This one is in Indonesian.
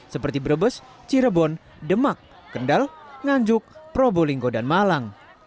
seperti brebes cirebon demak kendal nganjuk probolinggo dan malang